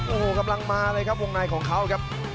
โอ้โหกำลังมาเลยครับวงในของเขาครับ